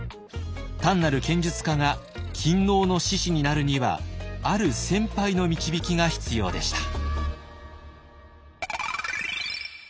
単なる剣術家が勤王の志士になるにはある先輩の導きが必要でした。